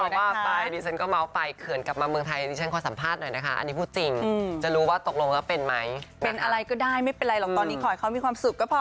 อ๋อมาไปดิฉันก็มาว่าไปเผื่อนกลับมาเมืองไทยดิฉันขอสัมภาษณ์หน่อยนะคะ